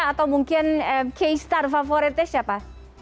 atau mungkin k star favoritnya siapa